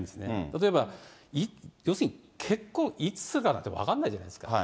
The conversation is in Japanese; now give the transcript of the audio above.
例えば、要するに結婚いつするかなんて、分かんないじゃないですか。